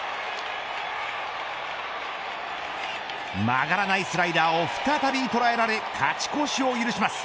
曲がらないスライダーを再び捉えられ勝ち越しを許します。